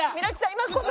今こそ！